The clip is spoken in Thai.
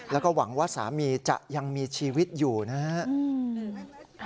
แล้วก็หวังว่าสามีจะยังมีชีวิตอยู่นะครับ